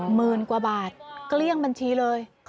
หมื่นกว่าบาทเกลี้ยงบัญชีเลย